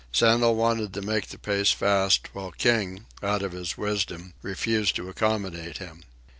Sandel wanted to make the pace fast, while King, out of his wisdom, refused to accommodate him.